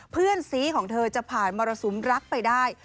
เพื่อนซีของเธอจะผ่านมรสุมรักไปได้